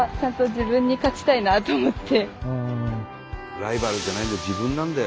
ライバルじゃないんだよ。